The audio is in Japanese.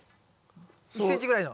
１ｃｍぐらいの。